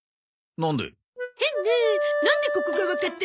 なんでここがわかったのかしら？